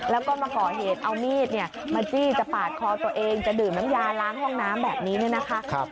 แล้วก็มาก่อเหตุเอามีดมาจี้จะปาดคอตัวเองจะดื่มน้ำยาล้างห้องน้ำแบบนี้เนี่ยนะคะ